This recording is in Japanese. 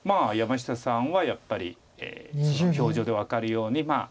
山下さんはやっぱりその表情で分かるように。